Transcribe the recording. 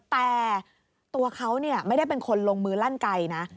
แต่ตัวเขาไม่ได้เป็นคนลงมือลั่นไกลนะ